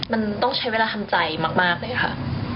มันต้องใช้เวลาทำใจมากเลยค่ะ